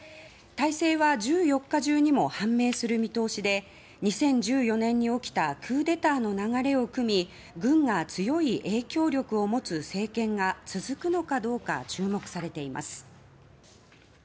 大勢は１４日中にも判明する見通しで２０１４年に起きたクーデターの流れをくみ軍が強い影響力を持つ政権が続くのかどうか注目されています。